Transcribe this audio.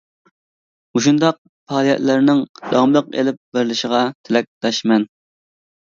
مۇشۇنداق پائالىيەتلەرنىڭ داۋاملىق ئېلىپ بېرىلىشىغا تىلەكداشمەن.